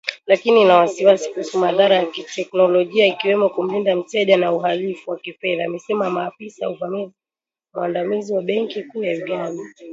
Lakini ina wasiwasi kuhusu madhara ya kiteknolojia ikiwemo kumlinda mteja, na uhalifu wa kifedha, amesema afisa mwandamizi wa benki kuu ya Uganda